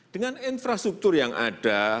dengan infrastruktur yang ada